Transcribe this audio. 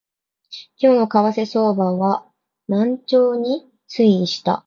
今日の為替相場は軟調に推移した